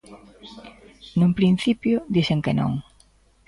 Nun principio dixen que non.